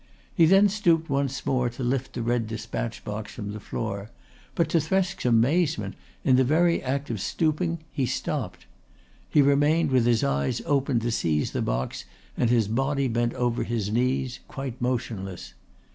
He then stooped once more to lift the red despatch box from the floor, but to Thresk's amazement in the very act of stooping he stopped. He remained with his hands open to seize the box and his body bent over his knees, quite motionless.